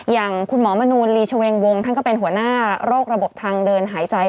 อย่างคุณหมอมนูลลีชเวงวงท่านก็เป็นหัวหน้าโรคระบบทางเดินหายใจ